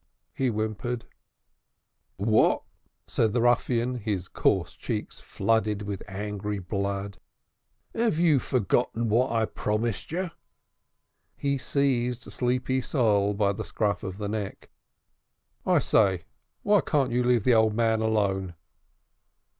he whimpered. "What!" said the ruffian, his coarse cheeks flooded with angry blood. "Ev yer forgotten what I promised yer?" He seized Sleepy Sol by the scruff of the neck. "I say, why can't you leave the old man alone?"